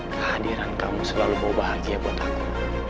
kehadiran kamu selalu mau bahagia buat aku